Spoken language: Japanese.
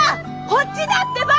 こっちだってば！